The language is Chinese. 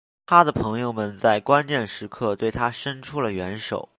他的朋友们在关键时刻对他生出了援手。